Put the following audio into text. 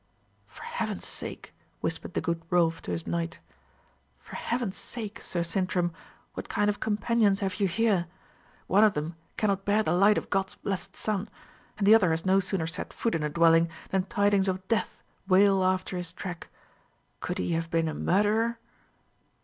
"For Heaven's sake," whispered the good Rolf to his knight "for Heaven's sake, Sir Sintram, what kind of companions have you here? One of them cannot bear the light of God's blessed sun, and the other has no sooner set foot in a dwelling than tidings of death wail after his track. Could he have been a murderer?"